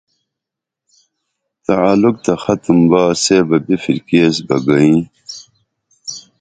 تعلق تہ ختم با سے بہ بِپھرکی ایس بہ گئیئیں